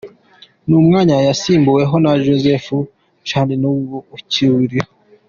Ni umwanya yasimbuweho na Joseph Clancy n’ubu ukiwuriho.